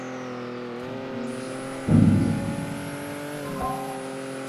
Murió en Izamal, Yucatán.